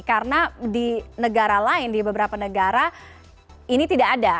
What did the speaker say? karena di negara lain di beberapa negara ini tidak ada